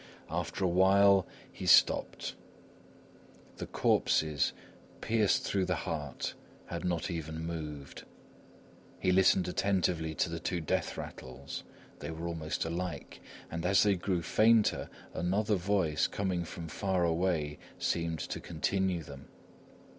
After a while he stopped. The corpses, pierced through the heart, had not even moved. He listened attentively to the two death rattles, they were almost alike, and as they grew fainter, another voice, coming from far away, seemed to continue them.